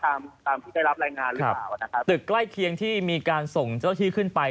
ตามตามที่ได้รับรายงานหรือเปล่านะครับตึกใกล้เคียงที่มีการส่งเจ้าที่ขึ้นไป